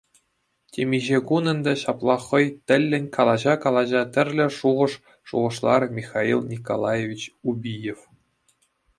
Темиҫе кун ӗнтӗ ҫапла хӑй тӗллӗн калаҫа-калаҫа тӗрлӗ шухӑш шухӑшларӗ Михаил Николаевич Убиев.